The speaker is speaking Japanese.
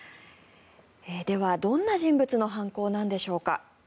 ではどんな人物の犯行なんでしょうか。